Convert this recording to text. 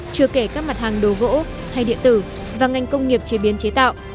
chưa kể các mặt hàng đồ gỗ hay điện tử và ngành công nghiệp chế biến chế tạo